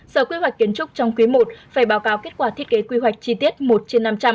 sở quy hoạch kiến trúc trong quý i phải báo cáo kết quả thiết kế quy hoạch chi tiết một trên năm trăm linh